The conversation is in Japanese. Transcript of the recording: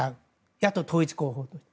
野党統一候補として。